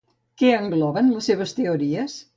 Què engloben les seves teories?